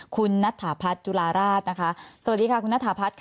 คุณนัทถาพัฒน์จุฬาราชนะคะสวัสดีค่ะคุณนัทธาพัฒน์ค่ะ